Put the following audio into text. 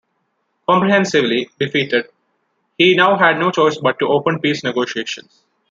Comprehensively defeated, he now had no choice but to open peace negotiations.